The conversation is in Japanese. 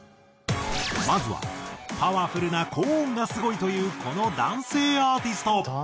まずはパワフルな高音がすごいというこの男性アーティスト。